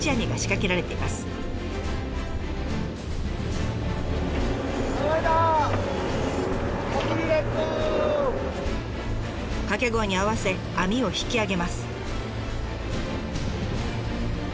掛け声に合わせ網を引き上げます。